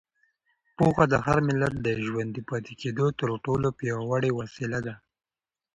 پوهه د هر ملت د ژوندي پاتې کېدو تر ټولو پیاوړې وسیله ده.